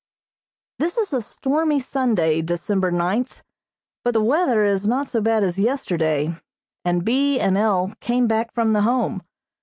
This is a stormy Sunday, December ninth, but the weather is not so bad as yesterday, and B. and L. came back from the Home.